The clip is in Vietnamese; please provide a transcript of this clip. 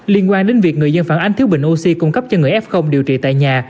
liên quan đến việc người dân phản ánh thiếu bình oxy cung cấp cho người f điều trị tại nhà